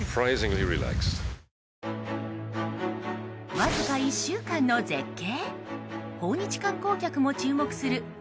わずか１週間の絶景？